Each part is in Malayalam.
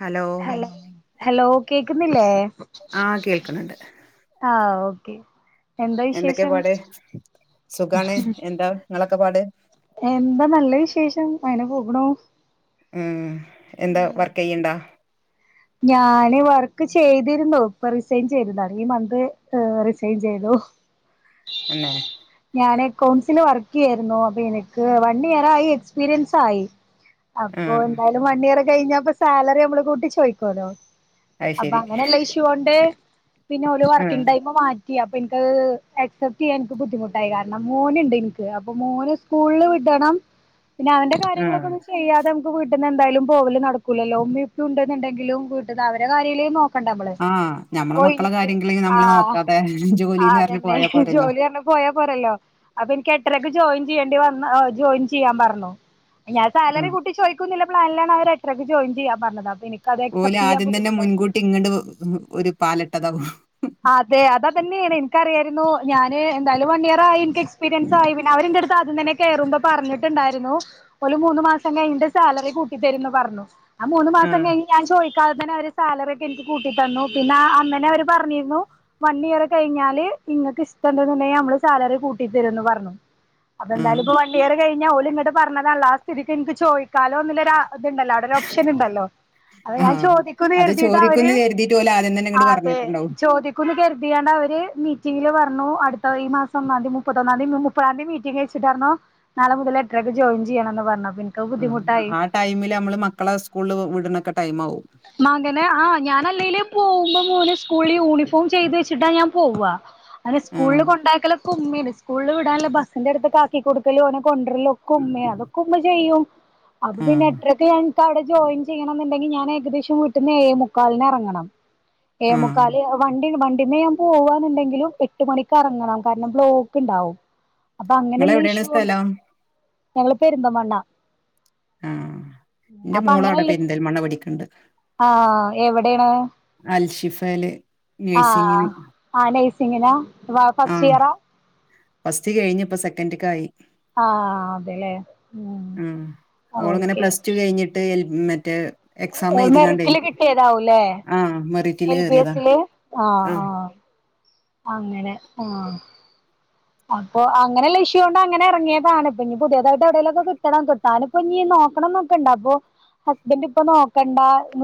ഹലോ ഹല ഹലോ കേക്കുന്നില്ലേ ആഹ് കേക്ണ്ണ്ട് ആഹ് ഓക്കെ എന്താ എന്തൊക്കെ വിശേഷം പാട് സുഖാണ് എന്താ നിങ്ങളൊക്കെ പാട് എന്താ നല്ല വിശേഷം അയിന പോകണോ ഉം എന്താ വർക്ക് ചെയ്യണ്ടാ ഞാന് വർക്ക് ചെയ്തിരുന്നോ ഇപ്പൊ റിസൈൻ ചെയ്തതാണ് ഈ മന്ത് റിസൈൻ ചെയ്തോ ഉ അന്നെ ഞാൻക്കൗൺസില് വർക്ക് ചെയ്യായിരുന്നു അപ്പൊ എനിക്ക് വൺ ഇയർ ആയി എക്സ്പീരിയൻസയി അപ്പൊ ആഹ് എന്തായാലും മണിയറ കഴിഞ്ഞപ്പൊ സാലറി നമ്മള് കൂട്ടി ചോയ്ക്കല്ലോ അത് അപ്പൊ ശരി അങ്ങനെല്ല ഇഷ്യൂ കൊണ്ട് പിന്നെ ഓല് ആഹ് വർക്കിങ് ടൈം മാറ്റ റ്റി അപ്പൊ ഇന്ക്കത് അക്സെപ്റ്റ് ചെയ്യാൻ ഇൻക്ക് ബുദ്ധിമുട്ടായി കാരണം മോനുണ്ട് ഇൻ ക്ക് അപ്പൊ മോന് സ്കൂളിൽ വിടണം പിന്നെ അവന്റെ ആഹ് കാര്യങ്ങളൊക്കെന്ന് ചെയ്യാതെ നമുക്ക് വീട്ട്ന്നന്തായലും പോവല് നടക്കൂലല്ലോ ഉമ്മിപ്പിം ഉണ്ടുന്നുണ്ടെങ്കി ലും വിട്ടന്ന് അവരെ കാര്യലും നോ നിക്കണ്ടെ അമ്മൾ ആഹ് ഞമ്മളെ അപ്പൊ മക്കളെ ഇനിക്ക് കാര്യങ്ങള് ആ നമ്മള് നോക്കാതെ ജോലിന്ന് പറഞ്ഞ് അതന്നെ പോയാ പോരല്ലോ ജോലി പോയാ പോരല്ലോ അപ്പൊ എനിക്ക്ക്കെട്ടരക്ക് ജോയിൻ ചെയ്യേണ്ടി വന്ന ജോയിൻ ചെയ്യാൻ പറഞ്ഞു ഞാ സാലറി ആഹ് കൂട്ടി ചോയ്ക്കുന്നുള്ള പ്ലാനിലാണ് അവര് എട്ട് രക്ക് ജോയിൻ ചെയ്യാ പറഞ്ഞത് അപ്പൊ എനിക്ക്- ഓൽ ആദ്യം തന്നെ മുൻകൂട്ടി ഇങ്ങട് ഒരു പാലട്ടതാവും അതെ അതതന്നെണ് എനിക്കറിയായിരുന്നു ഞാൻ എന്തായാലും വൺ ഇയർ ആയി എനിക്ക് എക്സ് പീരിയൻസ് ആയി അവർ ന്റെട്ത് ആദ്യന്നെ കെറുമ്പോ പറഞ്ഞിട്ടുണ്ടായിരുന്നു ഓൽ മൂന്ന് മാസം കയ്ന്ട്ട് സാലറി കൂട്ടി തരുന്ന് പറഞ്ഞു ആ മൂന്ന് മാസം ആഹ് കഴിഞ്ഞ് ഞാൻ ചോയിക്കാതെ തന്നെ അവര് സാലറി ഒക്കെ എനിക്ക് കൂട്ടി തന്നു പിന്നെ അന്നനേ അവര് പറഞ്ഞി വൺ ഇയർ കഴിഞ്ഞാല് ഇങ്ങക്ക് ഇഷ്ട്ടട്ന്ന്ണ്ടെങ്കി നമ്മള് സാലറി കൂട്ടിതരും ന്ന് പറഞ്ഞു ആഹ് അപ്പെന്തായാലുംപ്പൊ വൺഇയർ കഴിഞ്ഞൽ ഓൽ ഇങ്ങട്ട് പറഞ്ഞതലെ ആ സ്ഥിക്ക് ന്ക്ക് ചോയി കാലോ ന്ന്ള്ള തുണ്ടല്ലോ അവടെ ഒരു ഓപ്ഷൻ ണ്ടല്ലോ അത ഞാൻ ആഹ് ചോദിക്കുന്നു അത് കരുതീട്ട് അവര് ചോദിക്കുന്ന് കരുതിയിട്ട് ഓല് ആദ്യം തന്നെ ആ ഇങ്ങട് അതെ പറഞ്ഞിട്ടുണ്ടാവും ചോദിക്കുന്ന് കരുതിയാണ്ട് അവര് മീറ്റിങ്ങില് പറഞ്ഞു അടുത്ത ഈ മാസം ഒന്നാതി മുപ്പത്തഒന്നാന്തി മു ഇപ്പആദ്യം മീറ്റിംഗ്കെച്ചിട്ട്റനു നാളെ മുതൽ എട്ട്രക്ക് ജോയിൻ ചെയ്യണന്ന്പറഞ്ഞുപ്പൊ ആ ആ ടൈമില് അമ്മള് മക്കളെ സ്കൂളിൽ വിടണൊക്കെ ടൈം ആവും മകനെ ആ ഞാനല്ലേലും പോകുമ്പോ മോന് സ്കൂളിൽ യൂണിഫോം ചെയ്ത് വെച്ചിട്ടാ ഞാൻ പോവ്വ അയ്ന് സ്കൂളിൽ ആഹ് കൊണ്ടാക്കലക്കെ ഉമ്മേണ് സ്കൂളിൽ വിടാനുല്ല ബസിന്റെ അടുത്ത് കാക്കി കൊടുക്കലും ഓനെ കൊണ്ട്രലും ഒക്കെ ഉമ്മയാ അതൊക്കെ ഉമ്മ ചെയ്യും അപ്പം പിന്നെ ആഹ് എട്ട് അരക്ക് ഇൻക്ക് അവിടെ ജോയിൻ ചെയ്യണം ന്ന്ണ്ടെങ്കിൽ ഞാൻ ഏകദേശം വീട്ട്ന്ന് ഏഴ്മുക്കാലിനെ എറങ്ങണം ആഹ് ഏഴ്മുക്കാൽ വണ്ടി വണ്ടിന്ന്മ്മെ ഞാൻ പോവാന്നുണ്ടെങ്കിലും എട്ട് മണിക്ക് എറങ്ങണം കാരണം ബ്ലോക്ക് ണ്ടാവും അപ്പൊ അങ്ങനെല്ല നിങ്ങളെവിടെയാണ് ഇഷു സ്ഥലം? ഞങ്ങള് പെരുന്തൽമണ്ണാ ആഹ് ന്റെ മോൾഅടെ പെരിന്തൽമണ്ണ പടിക്ക്ണ്ട് ആഹ് എവടെണ് അൽഷിഫേല് നഴ്സിങ്ങിന് ആ നൈസിങ്ങിനാ ഫസ്റ്റ് ആഹ് ഇയറാ ഫസ്റ്റ് കഴിഞ് പ്പോ സെക്കൻഡ്ക്കായി ആഹ് അതെലെ ഉം ഓള്ങ്ങനെ പ്ലസ് ടു കഴിഞ്ഞിട്ട് മറ്റേ എക്സാം എഴുതിങ്ങാണ്ടയ് മെറിറ്റില് കിട്ടിയതാവൂല്ലേ ആ മെറിറ്റില് എൽ ബി കേറിയതാ എസില് ആഹ് ആ ആഹ് അങ്ങനെ ആ അപ്പൊ അങ്ങനെയുള്ള ഇഷ്യുണ്ട് അങ്ങനെ ഇറങ്ങിയതാണ് ഇപ്പം ഞ്ഞി പുതിയതായിട്ട് എവിടെലൊക്കെ കിട്ടണം കിട്ടാനിപ്പം ഞ്ഞി ഇ നോക്കണം ന്നൊക്കെണ്ട് അപ്പൊ ഹസ്ബൻഡ് ഇപ്പ നോക്കണ്ട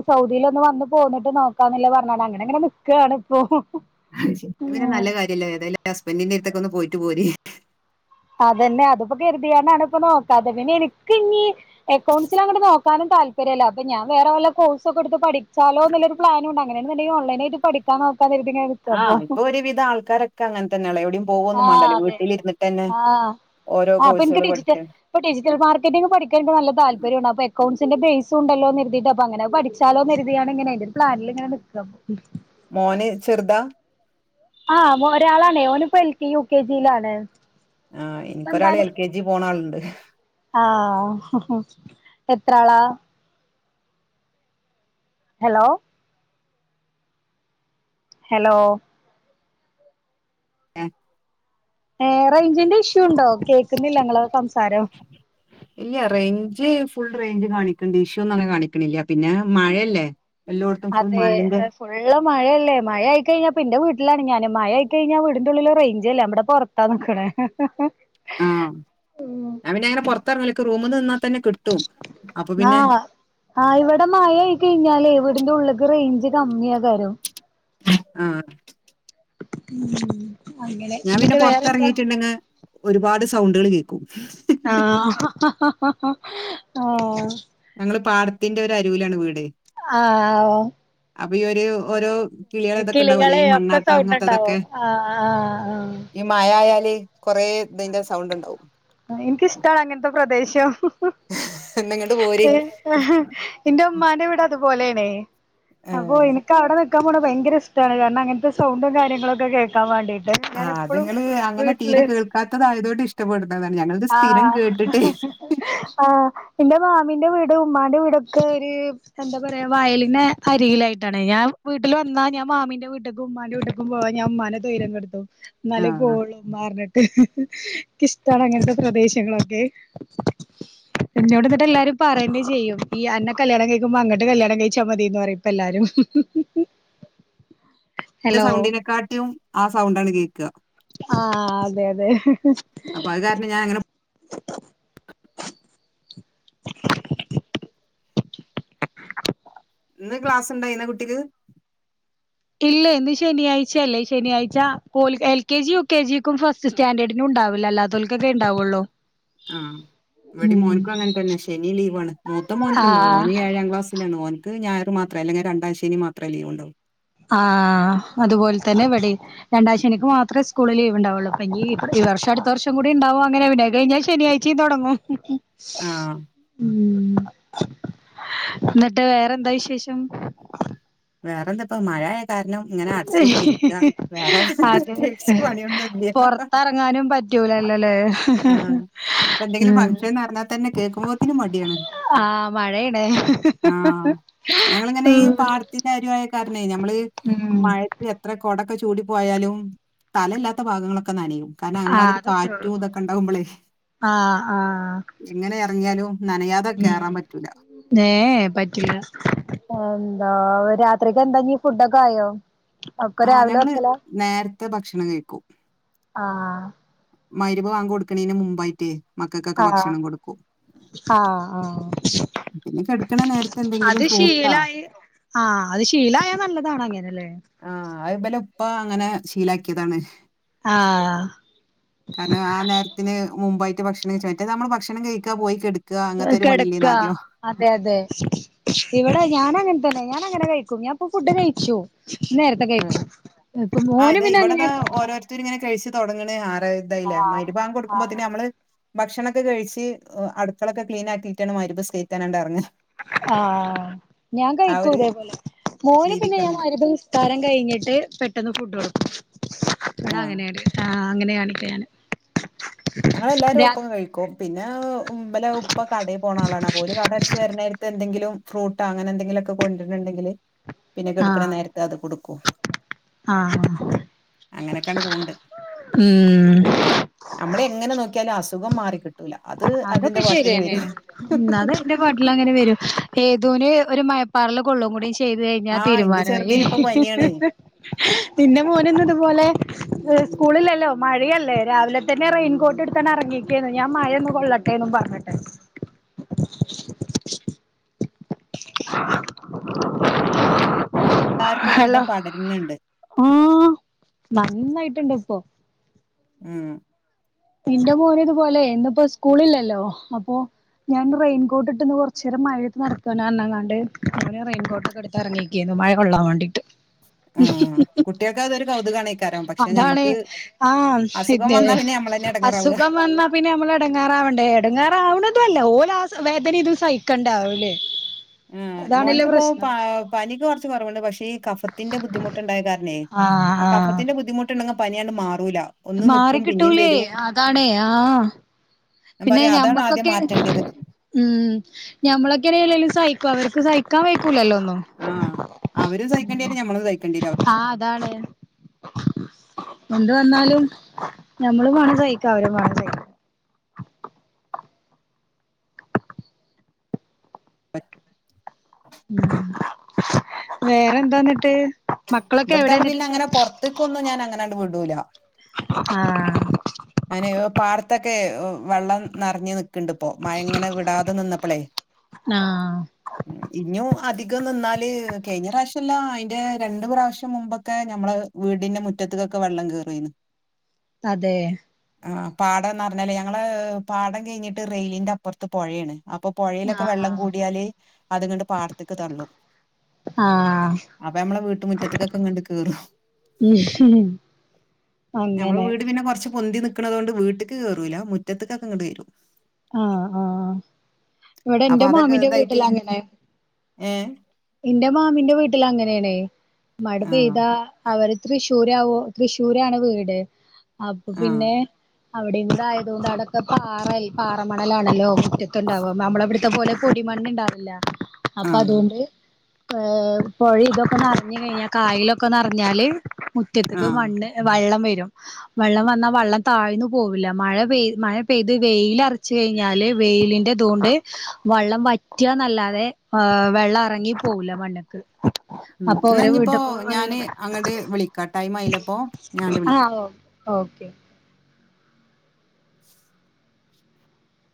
സൗദീൽ ഒന്ന് വന്ന് പോന്ന്ട്ട് നോക്കാന്നല്ലം പറഞ്ഞത് അങ്ങനെങ്ങനെ ക്കാണ്പ്പോ അഹ്ശേരി നല്ല കാര്യല്ലേ എതായാലും ഹസ്ബന്റന്റെ എടുത്തൊക്ക ഒന്ന് പോയിട്ട് പോര് അതന്നെ അതിപ്പോ കരുതിങ്ങാണ്ടാണ് ഇപ്പൊ നോക്കാതത് പിന്നെ എൻക്ക് ഇഞ്ഞ് അക്കൗൺസ്ൻ അങ്ങോട്ട് നോക്കാനും താല്പര്യല്ല അപ്പൊ ഞാൻ വേറെ വല്ല കോഴ്സ് ഒക്കെ ടുത്ത് പഠിച്ചാലോ എന്ന്ല്ല ഒരു പ്ലാനുണ്ട് അങ്ങനെന്ന്ന്ണ്ടങ്കി ഒൺലൈനായിട്ട് പഠികാ നോക്ക കരുതിങ്ങനെ ആ പ്പൊ ഒരുവിധ ആൾക്കാരൊക്കെ അങ്ങൻതന്നെള്ള എവടിം പോവൊന്നും ആഹ് മണ്ടല്ലോ അതെ വീട്ടിലിരിന്നിട്ടന്നെ ആഹ് ആ അപ്പ ൻക്ക് ഡിജിറ്റൽ ഇപ്പ ഡിജിറ്റൽ മാർക്കറ്റിങ്‌ പഠിക്കാന ന്ക്ക് നല്ല താല്പര്യണ്ട് അപ്പം എ അക്കൗണ്ട്സിന്റെ ബേസ് ഉണ്ടല്ലോ രുതീയിട്ട് അപ്പൊ അങ്ങനെ പഠിച്ചാലോ കെരുതിങ്ങാണ്ട് ങ്ങനെയ് അയ്‌ന്റെ രു പ്ലാനിൽ ഇങ്ങനെ നിക്കാ മോൻ ചെറുതാ ആ ഒരാളാണെയ് ഓനിപ്പോ എൽക്കെജി യു കെ ജിയിലാണ് ആ എനിക്കൊരാൾ എൽ കെ ജി പോണ ആളുണ്ട് ആഹ് എത്ര ആളാ ഹലോ ഹലോ എ ഏ റെഞ്ചിന്റെ ഇഷ്യൂ ഉണ്ടോ കേൾക്കുന്നില്ല നിങ്ങളെ സംസാരം ഇല്ല റേഞ്ച് ഫുൾ റേഞ്ച് കാണിക്ക്‌ണ്ട് ഇഷ്യുന്നും അങ്ങെനെ കാണിക്കണില്ല പിന്നെ മഴയല്ലേ എല്ലായിടത്തും ഫുൾ അതെ മഴന്റെ [unintelligible] ഫുള്ള് മഴയല്ലേ മഴയായിക്കഴിഞ്ഞാ ഇപ്പന്റെ വീട്ടിലാണ് ഞാന് മഴയായിക്കഴിഞ്ഞാൽ വീടിന്റെ ഉള്ളില് റെയിഞ്ചേല്ല ഞാബടെ പൊറ ത്താ നിക്കണ് ആഹ് ഞാ പിന്നെ അങ്ങനെ പൊറത്തറങ്ങലൊക്കെ റൂമ്ന്ന് നിന്നാൽത്തന്നെ കിട്ട് [unintelligible] ആഹ് ഇവിടെ മയ ആയി കഴിഞ്ഞാലേ വീട്ന്റെ ഉള്ളക്ക് റേഞ്ച് കമ്മിയെക്കാരം ആഹ് ഉം ഞാൻ പിന്നെ പൊറത്തെറങ്ങിട്ട്ണ്ടെങ്ങ് ഒരുപാട് സൗണ്ടുകള് കേൾക്കും ആഹ് ഞങ്ങള് പാടത്തിന്റെ ഒരു അരൂലാണ് വീടെ ആഹ് അപ്പൊ ഇയ്യ് ഒരു ഓരോ കിളികൾ ഇതൊക്കെ ഉണ്ടാവില്ലേ കിളികളെ ഈ ഒക്കെ മണ്ണാട്ട സൗണ്ട് ഇണ്ടാവും അങ്ങനത്തതൊക്കെ ആഹ് ആഹ് ആഹ് ഈ മയ ആയാല് കൊറേ ഇതിന്റെ സൗണ്ട് ഇണ്ടാവും ആഹ് ഇനിക്കിഷ്ട്ടാണ് അങ്ങനത്തെ പ്രദേശം ഇന്നാങ്ങട്ട് പോര് ഇന്റെ ഉമ്മാന്റെ വീട് അതുപോലെയാണെ അപ്പൊ ഏഹ് എന ഇക്ക് അവിടെ നിക്കാൻ പോണേ ഭയങ്കര ഇഷ്ട്ടാണ് കാരണം അങ്ങനത്തെ സൗണ്ടും കാര്യങ്ങളൊക്കെ കേ ക്കാൻ വേണ്ടീട്ട് ഞാൻ എപ്പളും വീട്ടില് ക്കാത്തതായോണ്ട് ഇഷ്ടപ്പെടുന്നതാണ് ഞങ്ങള്ത് സ്ഥിരം ആഹ് കേട്ടിട്ടെ ആഹ് ഇന്റെ മാമിന്റെ വീട് ഉമ്മാന്റെ വീടൊക്കെ ഒരു എന്താ പറയാ വയലിനെ അരികിലായിട്ടാണെ ഞാൻ വീട്ടില് വന്നാ ഞാൻ മാമീന്റെ വീട്ട്ക്കും ഉമ്മാന്റെ വീട്ട്ക്കും പോവാൻ ഞാൻ ഉമ്മാനെ തൊയ്രെങ്ങെടുത്തും ഇന്നാലേ ആ പോള്ളൂ ഉമ്മ പറിഞ്ഞിട്ട് ഇക്ക് ഇഷ്ട്ടാണ് അങ്ങനത്തെ പ്രദേശങ്ങളൊക്കെ ഇന്നോട് എന്നിട്ട് എല്ലാരും പറയെന്നെ ചെയ്യും ഈ അന്നെ കല്യാണം കഴിക്കുമ്പോ അങ്ങട്ട് കല്യാണം കഴിച്ചാൽ മതിയെന്ന് പറയ്പ്പോ എല്ലാരും [inaudible] ഇന്റെ സൗണ്ടിനെക്കാട്ടിയും ആ സൗണ്ടാണ് കേക്കാ ആഹ് അതെയതെ [unintelligible] ഞാൻ അങ്ങനെ ഇന്ന് ക്ലാസ് ഇണ്ടായിനാ കുട്ടിക്ക് ഇല്ലെ ഇന്ന് ശനിയാഴ്ച്ചയല്ലേ ശനിയാഴ്ച ഓല് L K G U K ജിക്കും ഫസ് ഫസ്റ്റ് സ്റ്റാൻഡേഡിനും ഉണ്ടാവില്ല അല്ലാത്തോൽക്കോക്കെ ഉണ്ടാവുള്ളൂ ആഹ് ഇവിടെ മോന്ക്കും അങ്ങനെ തന്നെ ശനി ലീവാണ് മൂത്ത മോന്ക്കുണ്ടാവും ആഹ് ഓന് ഏഴാം ക്ലാസ്സ് ലാണ് ഓന്ക്ക് ഞായറ് മാത്രേ അല്ലെങ്ക് രണ്ടാം ശനി മാത്രേ ലീവ് ഇണ്ടാവൂ ആഹ് അതുപോലെ തന്നെ ഇവടേം രണ്ടാം ശനിക്ക് മാത്രേ സ്കൂള് ലീവ്ണ്ടാവുള്ളൂ അപ്പ ഇനി ഈ വർഷം അടുത്ത വർഷം കൂടി ഉണ്ടാവും അങ്ങനെ അത് കഴിഞ്ഞാ ശനിയായി ച്ചിം തൊടങ്ങും ആ ഉം ഇന്നിട്ട് വേറെന്താ വിശേഷം? വേറെന്താ ഇപ്പ മഴയായകാരണം അതെ പ്രത്യേകിച്ച് പണിയൊന്നും ഇല്ല പൊറത്തെറങ്ങാനും പറ്റ് പറ്റൂലല്ലോലെ ആ ഇപ്പൊ എന്തെങ്കിലും ഉം ഫംഗ്ഷൻ എന്ന് പറഞ്ഞാൽ തന്നെ കേൾക്കുമ്പോത്തിന് മടിയാണ് ആഹ് മഴയാണ് ഉം ത്തിന്റെ അരുവായ കാരണെ ഞമ്മള് മഴത് എത്ര കൊടൊക്കെ ചൂടി പോയാലും തലല്ലാത്ത ഭാഗങ്ങളൊക്കെ നനയും കാരണം ആഹ് അമ്മാതിരി അതത്രേ ഉള്ളൂ കാറ്റും ഇതൊക്കെ ഇണ്ടാവുമ്പളെ ആഹ് ആഹ് എങ്ങനെ എറങ്ങിയാലും നനയാതെ കേറാൻ പറ്റൂല ഏഹ് പറ്റില്ല ആഹ് എന്താ രാത്രിക്കെന്താ ഇനീ ഫുഡൊക്കെ ആയോ? ഒക്കെ ആഹ് രാവിലെ ഞങ്ങള് വെക്കലാ നേരത്തെ ഭക്ഷണം കഴിക്കും ആഹ് മൈരിബ് വാങ്ക് കൊടുക്കണേന് മുമ്പായിട്ട് മക്കക്കൊക്കെ ആഹ് ഭക്ഷണം കൊടുക്കും ആഹ് ആഹ് പിന്നെ കെടക്കണ നേരത്തെ എന്തെങ്കിലും അത് ഫ്രൂട്ടാ ശീലായി ആഹ് അത് ശീലായ നല്ലതാണ് അങ്ങനെല്ലേ ആഹ് അബലെപ്പ അങ്ങനെ ശീലാക്കിയതാണ് ആഹ് ആഹ് കാരണം ആഹ് നേരത്തിന് മുമ്പായിട്ട് ഭക്ഷണം കെയിച്ച റ്റെ മ്മള് ഭക്ഷണം കഴിക്കാ പോയി കെടുക് ക്ക അങ്ങനത്തെ ഒരു കെടക്ക പണിയില്ലേന്നാദ്യം അതെ അതെ ഇവിടെ ഞാനങ്ങനെ തന്നെ ഞാൻ അങ്ങനെ കഴിക്കും ഞാൻപ്പ ഫുഡ് കഴിച്ചു നേരത്തെ ആ കഴിച്ചു മോന് പിന്നെ അങ്ങനായി ത്തര് ഇങ്ങനെ കഴിച്ച് തുടങ്ങണ് ആറ് ഇതായില്ല ആഹ് മരിബാങ്ക് ആഹ് കൊടുക്കുംപോതിന്ന്നമ്മള് ഭക്ഷണൊക്കെ കഴിച്ച് അടുക്കളൊക്കെ ക്ലീൻ ആക്കിയിട്ടാണ് മരിബ്ഇസ്കേറിച്ചാണാണ്ടഎറങ്ങ ആഹ് ഞാൻ ഒരു കഴിക്കൂലാ ഇതേപോലെ മോന് പിന്നെ രീതിക്കാണ് ഞാൻ പോവാ മരിബ് കാരം കഴിഞ്ഞിട്ട് പെട്ടെന്ന് ഫുഡ് കൊടുക്കും ഇവിട ആഹ് അങ്ങനെയാണ് ആഹ് അങ്ങനെയാണിവിടെ ഞാന് ഞങ്ങളെല്ലാവരും രാ ഒപ്പം കഴിക്കും പിന്നെ ഉം ഇബലെ ഇപ്പ കടയിൽ പോണ ആളാണാണ് ഓല് കട അടച്ച് വരണായി എന്തങ്കിലും ഫ്രൂട്ടാ അങ്ങനെന്തെങ്കിലുംക്കെ കൊണ്ടിരണ്ടെങ്കില് പിന്നെ കെടുക്കണ ആഹ് നേരത്ത് അത് കൊടുക്കും ആഹ് അങ്ങനെയൊക്കെയാണ്ട് പോണ്ട് ഉം നമ്മള് എങ്ങനെ നോക്കിയാലും അസുഖം മാറി കിട്ടൂല അത് അതിന്റെ പാട്ടിന് വരും പാട്ടില് അങ്ങനെ വരും ഏതൂന് ഒരു മയപ്പാറല് കൊള്ളും കൂടി ചെ ചെയ്ത് കഴിഞ്ഞാ ആഹ് ഇന്റെ തീരുമാനമായി ചെറുതിന് ഇപ്പൊ പനിയാണ് പിന്നെ മോന് ന്ന് ഇതുപോലെ സ്കൂളിലല്ലോ മഴയല്ലേ രാവിലെ തന്നെ റെയിൻകോട്ട് എടുത്താണ്ട് എറങ്ങി ഞാ മഴൊന്ന് കൊള്ളട്ടെ എന്നും പറഞ്ഞിട്ട് എല്ലാവർക്കും ഒരുവിധം പടര് ന്ണ്ട് ഹിം നന്നായിട്ടുണ്ട് ഇപ്പോ ഉം ഇന്റെ മോനിതു പോലെ ഇന്നിപ്പോ സ്കൂളില്ലല്ലോ അപ്പൊ ഞാൻഇന്ന് റെയിൻകോട്ടിട്ട് കൊറ ചെരം മഴയത്ത് നഡാക്കനാരഞണ്ട് ണ്ട് അങ്ങ് റെയിൻകോട്ടൊക്കെ എടുത്ത് ഇങ്ങിക്കുകായിരുന്നു മഴ കൊള്ളാൻ വേണ്ടിയിട്ട് ആഹ് കുട്ടികൾക്ക് അതൊരു കൗതുകാണേക്കാരം പക്ഷെ അതാണ് ഞമ്മക്ക് ആഹ് അസുഖം ഇൻ്റെ വന്നാ പിന്നെ നമ്മളന്നെ എടങ്ങേറാവ അസുഖം വന്നാ പിന്നെ നമ്മള് എടങ്ങാറാവണ്ടേ എടങ്ങാറാവണതല്ല ഓല് വേദന ഇതും സഹിക്കണ്ടാവൂലേ ആഹ് അതാണല്ലോ മോനിക്കിപ്പോ പ പ്രശ്നം പനിക്ക് കുറച്ച് കുറവുണ്ട് പക്ഷേ ഈ കഫത്തിന്റെ ബുദ്ധിമുട്ടുണ്ടായ കാരണേ ആഹ് ആഹ് കഫത്തിന്റെ ബുദ്ധിമുട്ട്ണ്ടെങ്കി പനിയാണ്ട് മാറൂല ഒന്ന് നിക്കും പിന്നിം മാറിക്കിട്ടൂലേ വരും അതാണേ ആഹ് ഞാൻ പിന്നെ പറയാ അതാണ് ആദ്യം ഞമ്മക്കൊക്കെ മാറ്റേണ്ടത് ഉം ഞമ്മളൊക്കെനെ അല്ലേലും സഹിക്കും അവര്ക്ക് സഹിക്കാൻ വയ്ക്കൂലല്ലോ ഒന്നും ആഹ് അവരും സഹിക്കേണ്ടിരും നമ്മളും സഹിക്കേണ്ടിരും അവ ആഹ് അതാണ് എന്ത് വന്നാലും നമ്മളും വേണം സഹിക്ക അവര് വേണം സഹിക്ക വേറെന്താന്നിട്ട് ഇവിടത്താളെ പിന്നെ അങ്ങനെ പുറത്തേക്കൊന്നും ഞാൻ അങ്ങനാണ്ട് വിടൂല ആഹ് അങ്ങനെയോ പാടത്തൊക്കെ വെള്ളം നിറഞ്ഞു നിക്കിണ്ട് പ്പൊ മയങ്ങനെ വിടാതെ നിന്നപ്പളേ ആഹ് ഇഞ്ഞൂ അധികം നിന്നാല് കെയിഞ്ഞ പ്രാവശ്യംല്ല അയിന്റെ രണ്ട് പ്രാവശ്യം മുമ്പൊക്കെ ഞമ്മള് വീടിന്റെ മുറ്റത്തക്കൊക്കെ വെള്ളം കയറുന്നു അതെ ആ പാടംന്ന് പറഞ്ഞല്ലേ ഞങ്ങള് പാടം കഴിഞ്ഞിട്ട് റെയിലിന്റെ അപ്പുറത്ത് പൊഴേണ് അപ്പൊ പൊഴേലൊക്കെ വെള്ളം ആഹ് കൂടിയാല് അത് ങ്ങണ്ട് പാർത്തക്ക് തള്ളും ആഹ് അപ്പൊ നമ്മളെ വീട്ടുറ്റത്തക്കൊക്കെങ്ങണ്ട് കേറു [unintelligible] ഞമ്മൾ അങ്ങനെ വീട് പിന്നെ കൊറച്ച് പൊന്തി നിക്കുന്നോണ്ട് വീട്ടക്ക് കേറൂല മുറ്റത്തക്കൊക്കെ ഇങ്ങോട്ട് വരും ആഹ് ആഹ് ഇവിടെ അപ്പൊ ഇന്റെ അതൊക്കെ മാമിന്റെ ഇതായിട്ട് വീട്ടില അങ്ങനെ ഏഹ് എന്റെ മാമന്റെ വീട്ടിൽ അങ്ങനെണേ മടു ആഹ് പെയ്താ അവര് തൃശ്ശൂര്വോ തൃശ്ശൂരാണ് വീട് അപ്പൊ ആഹ് പിന്നെ അവിടെന്തായതുകൊണ്ട് അടൊക്കെ പാറൽ പാറമണലാണല്ലോ മുറ്റത്തുണ്ടാവും നമ്മള അവിടുത്തെ പോലെ പൊടിമണ്ണ ണ്ടാവില്ല അപ്പൊ ആഹ് അതുകൊണ്ട് ഏ പൊഴ ഇതൊക്കെ നിറഞ്ഞു കഴിഞ്ഞാൽ കായലൊക്കെ നിറഞ്ഞാല് മുറ്റത്തക്ക് ആഹ് മണ്ണ് വള്ളം വരും വെള്ളം വന്നാൽ വള്ളം താഴ്ന്നു പോവില്ല മഴ പെയ് മഴ പെയ്ത് വെയില അരച്ച് കഴിഞ്ഞാല് വെയിലിന്റെ അതുകൊണ്ട് വള്ളം വറ്റന്നല്ലാതെ വെള്ളം ഇറങ്ങി പോകല മണ്ണക്ക് ഉം അപ്പൊ ന്നാ അവര ഇഞ്ഞിപ്പോ വീട്ടൊക്കെ വെള്ളം ഞാന് അങ്ങട്ട് വിളിക്കാ ടൈം ആയിലപ്പോ ഞാണ്ട് വിളിക്കാ ആഹ് ഓക്കെ